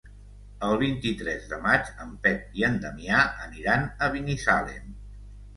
El vint-i-tres de maig en Pep i en Damià aniran a Binissalem.